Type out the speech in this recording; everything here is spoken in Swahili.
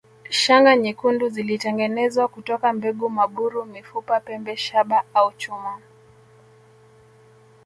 Shanga nyekundu zilitengenezwa kutoka mbegu maburu mifupa pembe shaba au chuma